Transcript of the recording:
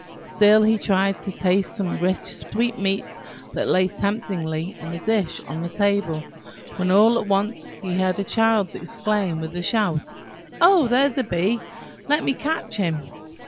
Still he tried to taste some rich sweetmeats that lay temptingly in a dish on the table, when all at once he heard a child exclaim with a shout, "Oh, there's a bee, let me catch him!"